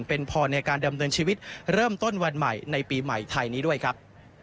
เป็นพรในการดำเนินชีวิตเริ่มต้นวันใหม่ในปีใหม่ไทยนี้ด้วยครับ